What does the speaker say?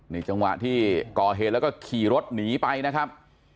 นี่จังหวะที่ก่อเหตุแล้วก็ขี่รถหนีไปนะครับ